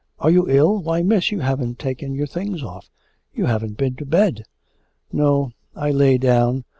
Are you ill? Why, Miss, you haven't taken your things off; you haven't been to bed!' 'No; I lay down....